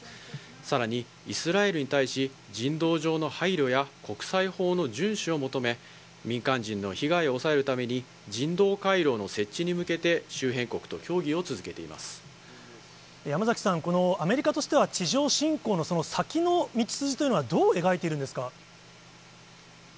さらに、イスラエルに対し人道上の配慮や国際法の順守を求め、民間人の被害を抑えるために、人道回廊の設置に向けて、山崎さん、このアメリカとしては、地上侵攻のその先の道筋というのは、どう描いているんですか。